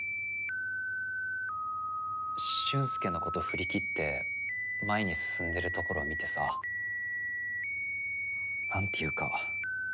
俊介のこと振り切って前に進んでるところを見てさ何ていうか。